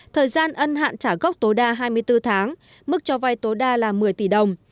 thời gian ân hạn trả gốc tối đa hai mươi bốn tháng mức cho vay tối đa là một mươi tỷ đồng